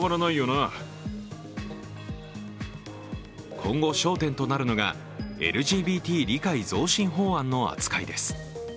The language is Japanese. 今後、焦点となるのがＬＧＢＴ理解増進法案の扱いです。